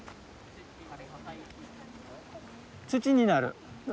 土になる。